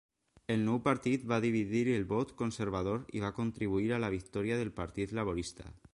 El nou partit va dividir el vot conservador i va contribuir a la victòria del partit laborista.